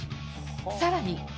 さらに。